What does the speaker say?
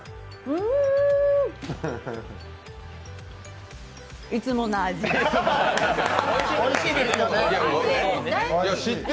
うーん！いつもの味です。